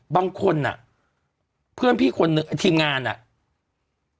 บางคนเนี่ยเพื่อนพี่คนหนูทีมงานเนี่ย